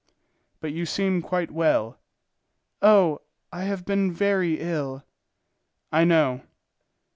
"But you seem quite well." "Oh! I have been very ill." "I know."